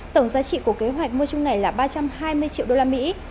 tổng giá trị của kế hoạch mua chung này là ba trăm hai mươi triệu đô la mỹ